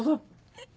えっ？